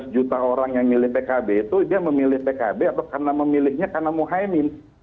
lima belas juta orang yang milih pkb itu dia memilih pkb atau karena memilihnya karena muhaymin